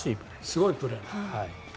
すごいプレー。